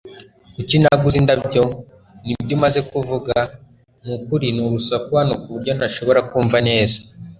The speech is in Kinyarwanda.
Kuki naguze indabyo? Nibyo umaze kuvuga? Nukuri ni urusaku hano kuburyo ntashobora kumva neza